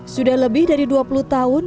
sudah lebih dari dua puluh tahun